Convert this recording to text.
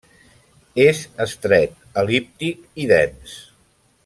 És estret, el·líptic i dens.